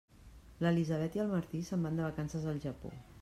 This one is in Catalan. L'Elisabet i el Martí se'n van de vacances al Japó.